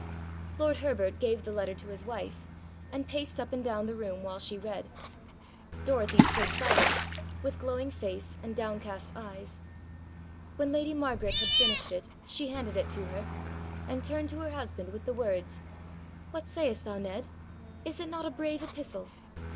Lord Herbert gave the letter to his wife, and paced up and down the room while she read. Dorothy stood silent, with glowing face and downcast eyes. When lady Margaret had finished it she handed it to her, and turned to her husband with the words, 'What sayest thou, Ned? Is it not a brave epistle?'